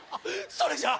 それじゃあ！